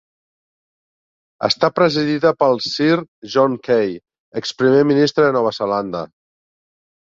Està presidida per Sir John Key, ex Primer Ministre de Nova Zelanda.